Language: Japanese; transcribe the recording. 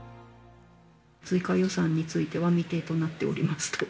追加予算については、未定となっておりますと。